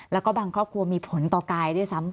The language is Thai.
แล้วก็บางครอบครัวมีผลต่อกายด้วยซ้ำ